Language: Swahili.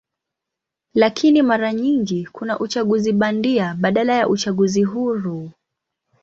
Lakini mara nyingi kuna uchaguzi bandia badala ya uchaguzi huru.